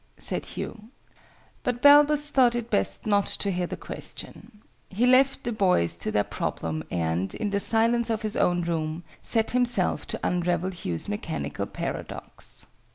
said Hugh. But Balbus thought it best not to hear the question. He left the boys to their problem, and, in the silence of his own room, set himself to unravel Hugh's mechanical paradox.